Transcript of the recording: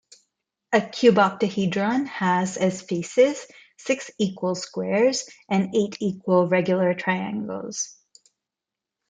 A cuboctahedron has as faces six equal squares and eight equal regular triangles.